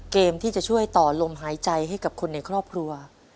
เกมที่จะช่วยต่อลมหายใจให้กับคนในครอบครัว